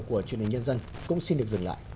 của nguyễn nhân dân cũng xin được dừng lại